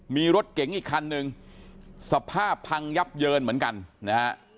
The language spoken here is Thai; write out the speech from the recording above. มีรถเก๋งอีกคันหนึ่งสภาพพังยับเยินเหมือนกันนะฮะ